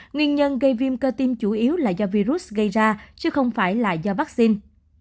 nguyên nhân gây viêm cơ tim chủ yếu là do virus gây ra chứ không phải là do vaccine